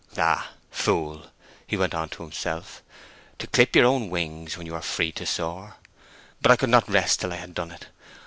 "Ah, fool," he went on to himself, "to clip your own wings when you were free to soar!...But I could not rest till I had done it.